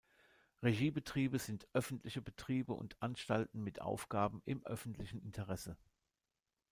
Regiebetriebe sind öffentliche Betriebe und Anstalten mit Aufgaben im öffentlichen Interesse.